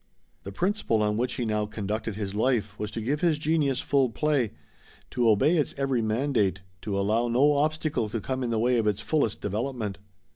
The principle on which he now conducted his life was to give his genius full play, to obey its every mandate, to allow no obstacle to come in the way of its fullest development.